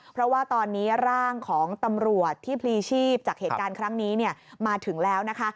เพราะว่าตอนนี้ร่างของตำรวจที่พลีชีพจากเหตุการณ์ครั้งนี้มาถึงแล้วนะคะ